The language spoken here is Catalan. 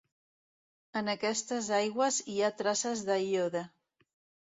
En aquestes aigües hi ha traces de iode.